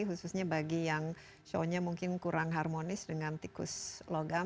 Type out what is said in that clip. khususnya bagi yang show nya mungkin kurang harmonis dengan tikus logam